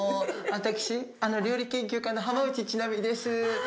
私料理研究家の浜内千波です。